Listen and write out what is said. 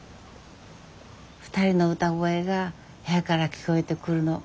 ２人の歌声が部屋から聞こえてくるの